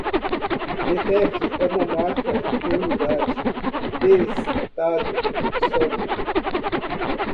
Netek é uma marca de unidade de estado sólido